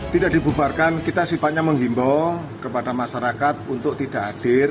tidak dibubarkan kita sifatnya menghimbau kepada masyarakat untuk tidak hadir